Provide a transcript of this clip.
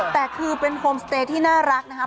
แต่คือเป็นโฮมสเตย์ที่น่ารักนะคะ